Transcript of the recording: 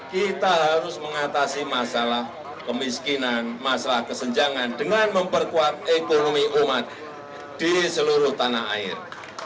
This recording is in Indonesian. kita harus mengatasi masalah kemiskinan masalah kesenjangan dengan memperkuat ekonomi umat di seluruh tanah air